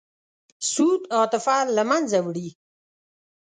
سود عاطفه له منځه وړي.